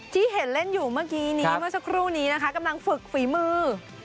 ที่เห็นเล่นอยู่เมื่อกี้นี้เมื่อสักครู่นี้นะคะกำลังฝึกฝีมือ